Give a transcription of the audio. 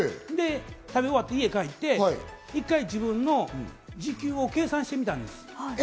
食べ終わって家に帰って一回自分の時給を計算してみたんです。